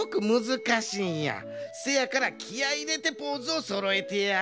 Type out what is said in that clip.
せやからきあいいれてポーズをそろえてや。